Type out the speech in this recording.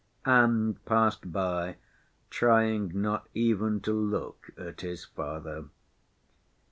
and passed by, trying not even to look at his father.